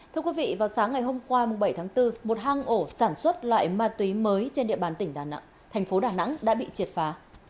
thưa quý vị vào sáng ngày hôm qua bảy tháng bốn một hang ổ sản xuất loại ma túy mới trên địa bàn tỉnh đà nẵng thành phố đà nẵng đã bị triệt phá